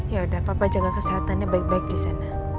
yaudah papa jaga kesehatannya baik baik di sana